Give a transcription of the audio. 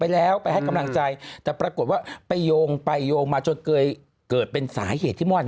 แต่พูดว่าไปโยงไปโยงมาจนเกิดเป็นสาเหตุที่มด